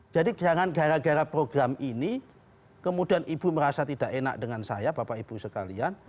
jadi jangan gara gara program ini kemudian ibu merasa tidak enak dengan saya bapak ibu sekalian